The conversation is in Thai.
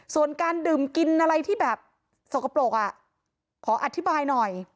ส่วนการดื่มกินอะไรที่แบบสกปรกขออธิบายหน่อย